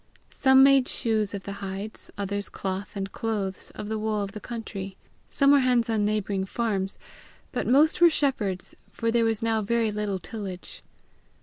Some made shoes of the hides, others cloth and clothes of the wool of the country. Some were hinds on neighbouring farms, but most were shepherds, for there was now very little tillage.